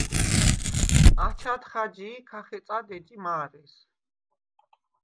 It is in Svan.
აჩად ხაჯი ი ქა ხეწად ეჯი მა̄რეს.